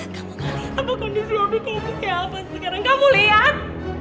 kamu kali apa kondisi obik kamu kayak apa sekarang kamu lihat